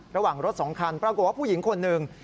ระหว่างรถสองคันปรากฏว่าผู้หญิงคนหนึ่ง